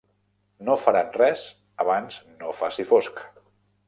No faran res abans no faci fosc.